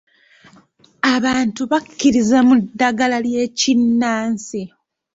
Abantu bakkiririza mu ddagala ly'ekinnansi.